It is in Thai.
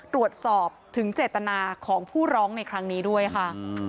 ตรวจสอบถึงเจตนาของผู้ร้องในครั้งนี้ด้วยค่ะ